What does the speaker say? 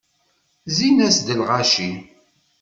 Zzin-as-d lɣaci.